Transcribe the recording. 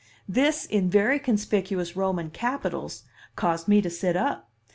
This in very conspicuous Roman capitals, caused me to sit up.